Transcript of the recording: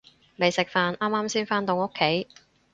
未食飯，啱啱先返到屋企